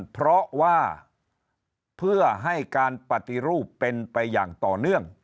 เพราะว่าเพื่อให้การปฏิรูปเป็นไปอย่างต่อเนื่อง